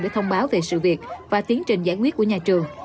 để thông báo về sự việc và tiến trình giải quyết của nhà trường